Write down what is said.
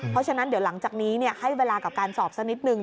เพราะฉะนั้นเดี๋ยวหลังจากนี้ให้เวลากับการสอบสักนิดนึง